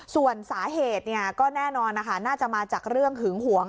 ส่วนสาเหตุก็แน่นอนนะคะน่าจะมาจากเรื่องหึงหวง